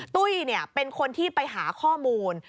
ตุ้ยเป็นคนที่ไปหาข้อมูล